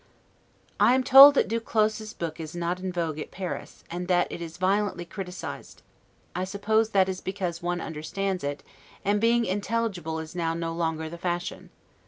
I am told that Du Clos's book is not in vogue at Paris, and that it is violently criticised: I suppose that is because one understands it; and being intelligible is now no longer the fashion.